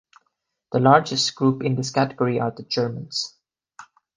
The largest group in this category are the Germans.